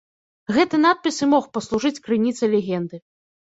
Гэты надпіс і мог паслужыць крыніцай легенды.